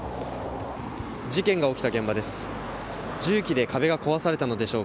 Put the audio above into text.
事件が起きた現場です。